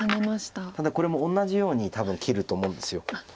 ただこれも同じように多分切ると思うんです。